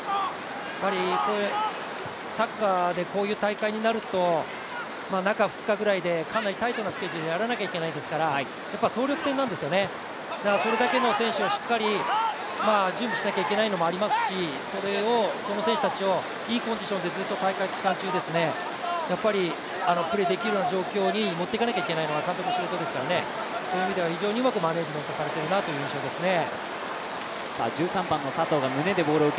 サッカーでこういう大会になると中２日ぐらいでかなりタイトなスケジュールでやらなければいけないですから総力戦なんですよね、それだけの選手をしっかり準備しないといけないのもありますし、その選手たちをいいコンディションでずっと大会期間中、プレーできるような状況に持っていかなければいけないのは監督の仕事ですからね、そういう意味では非常にうまくマネジメントされているなという印象ですね。